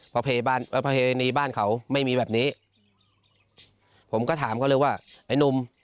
เพราะประเพณีบ้านเขาไม่มีแบบนี้ผมก็ถามเขาเลยว่าไอ้หนุ่ม